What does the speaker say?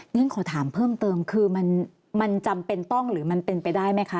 ฉันขอถามเพิ่มเติมคือมันจำเป็นต้องหรือมันเป็นไปได้ไหมคะ